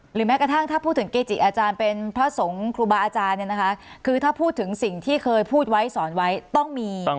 แม้กระทั่งถ้าพูดถึงเกจิอาจารย์เป็นพระสงฆ์ครูบาอาจารย์เนี่ยนะคะคือถ้าพูดถึงสิ่งที่เคยพูดไว้สอนไว้ต้องมี